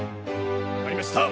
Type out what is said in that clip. わかりました。